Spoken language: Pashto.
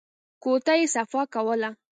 کوټه يې صفا کوله.